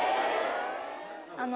あの。